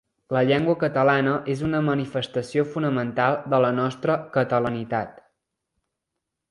La llengua catalana és una manifestació fonamental de la nostra catalanitat.